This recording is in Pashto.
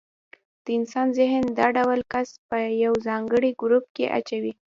د انسان ذهن دا ډول کس په یو ځانګړي ګروپ کې اچوي.